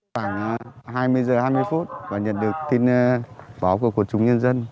khoảng hai mươi giờ hai mươi phút và nhận được tin báo của quốc trung nhân dân